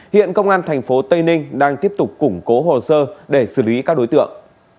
hiện công an tp tây ninh đang tiếp tục củng cố hồ sơ để xử lý các đối tượng